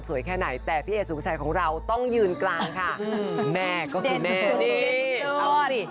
แค่ไหนแต่พี่เอกสุภาชัยของเราต้องยืนกลางค่ะแม่ก็คือแม่นี่เอาสิ